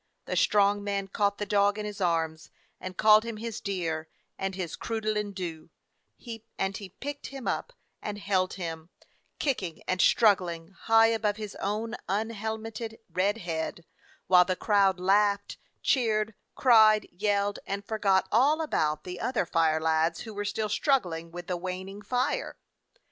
The strong man caught the dog in his arms and called him his dear and his "croodlhT doo"; and he picked him up and held him, kicking and struggling, high above his own unhelmeted red head, while the crowd laughed, cheered, cried, yelled, and forgot all about the other fire lads, who were still struggling with the waning fire.